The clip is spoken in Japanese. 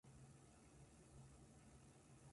せかい